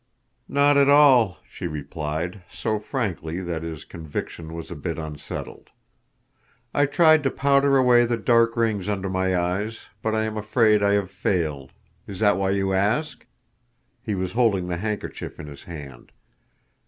"Not at all," she replied, so frankly that his conviction was a bit unsettled. "I tried to powder away the dark rings under my eyes, but I am afraid I have failed. Is that why you ask?" He was holding the handkerchief in his hand.